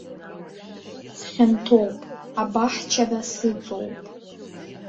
Схьанҭоуп, абаҳчара сыҵоуп.